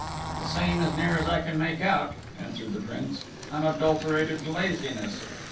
"The same, as near as I can make out," answered the Prince; "unadulterated laziness."